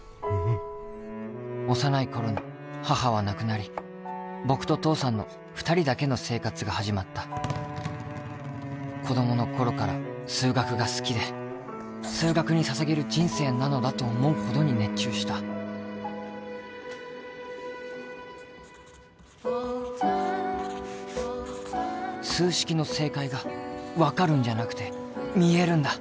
幼い頃に母は亡くなり僕と父さんの２人だけの生活が始まった子どもの頃から数学が好きで数学に捧げる人生なのだと思うほどに熱中した数式の正解が分かるんじゃなくて見えるんだ